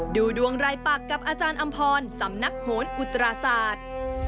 ดูดวงรายปักกับอาจารย์อำพรสำนักโหนอุตราศาสตร์